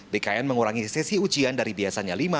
bkn mengurangi sesi ujian dari biasanya